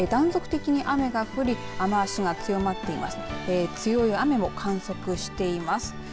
こちらでも断続的に雨が降り雨足が強まっています。